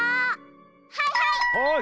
はいはい！